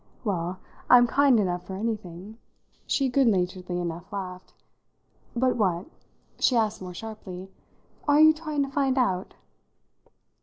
"Well, I'm kind enough for anything," she goodnaturedly enough laughed. "But what," she asked more sharply, "are you trying to find out?"